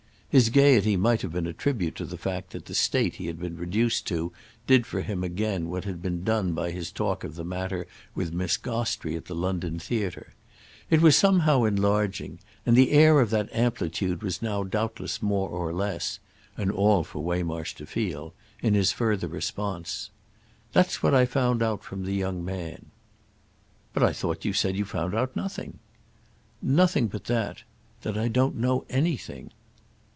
His gaiety might have been a tribute to the fact that the state he had been reduced to did for him again what had been done by his talk of the matter with Miss Gostrey at the London theatre. It was somehow enlarging; and the air of that amplitude was now doubtless more or less—and all for Waymarsh to feel—in his further response. "That's what I found out from the young man." "But I thought you said you found out nothing." "Nothing but that—that I don't know anything."